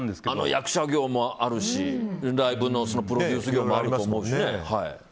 役者業もあるし、ライブのプロデュース業もあるでしょうし。